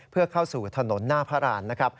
เพื่อเข้าสู่ถนนหน้าพระราช